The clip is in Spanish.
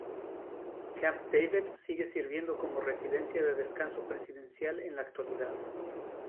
Camp David sigue sirviendo como residencia de descanso presidencial en la actualidad.